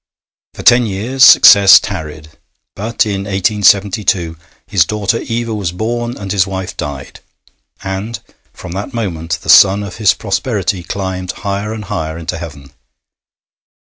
For ten years success tarried, but in 1872 his daughter Eva was born and his wife died, and from that moment the sun of his prosperity climbed higher and higher into heaven.